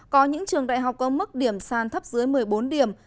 có những trường đại học có mức điểm sàn thấp dưới một mươi bốn điểm